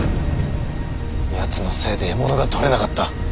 やつのせいで獲物が取れなかった。